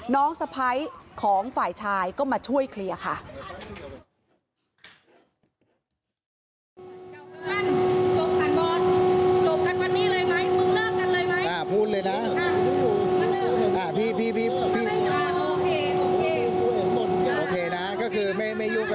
น้องสะพ้ายของฝ่ายชายก็มาช่วยเคลียร์ค่ะ